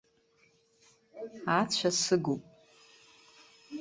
Ацәа сыгуп.